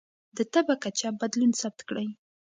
د تبه کچه بدلون ثبت کړئ.